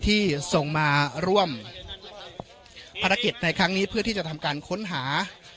ที่ส่งมาร่วมภารกิจในครั้งนี้เพื่อที่จะทำการค้นหา